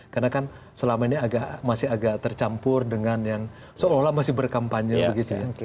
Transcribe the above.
karena kan selama ini masih agak tercampur dengan yang seolah olah masih berkampanye begitu ya